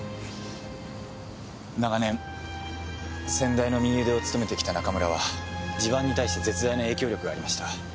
長年先代の右腕を務めてきた中村は地盤に対して絶大な影響力がありました。